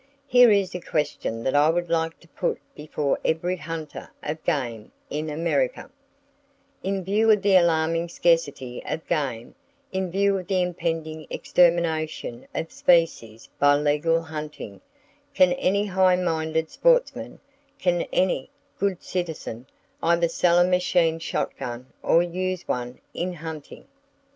Here is a question that I would like to put before every hunter of game in America: In view of the alarming scarcity of game, in view of the impending extermination of species by legal hunting, can any high minded sportsman, can any good citizen either sell a machine shot gun or use one in hunting?